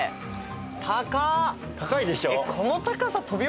高いでしょ？